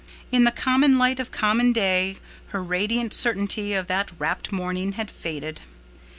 In the common light of common day her radiant certainty of that rapt morning had faded.